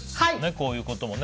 こういうこともね。